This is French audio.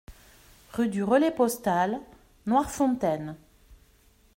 Rue du Relais Postal, Noirefontaine